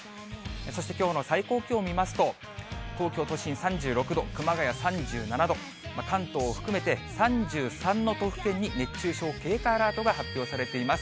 そしてきょうの最高気温を見ますと、東京都心、３６度、熊谷３７度、関東を含めて３３の都府県に熱中症警戒アラートが発表されています。